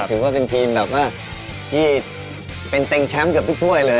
ถือว่าเป็นทีมแบบว่าที่เป็นเต็งแชมป์เกือบทุกถ้วยเลย